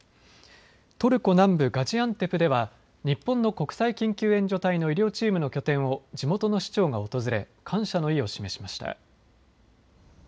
トルコ南部ガジアンテプでは日本の国際緊急援助隊の医療チームの拠点を地元の市長が訪れ感謝の意を示しました。